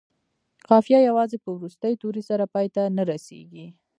قافیه یوازې په وروستي توري سره پای ته نه رسيږي.